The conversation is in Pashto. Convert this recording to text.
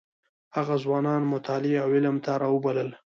هغه ځوانان مطالعې او علم ته راوبلل.